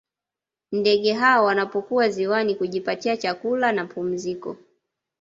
Ndege hao wanapokuwa ziwani kujipatia chakula na pumziko